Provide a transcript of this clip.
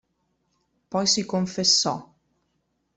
Poi si confessò.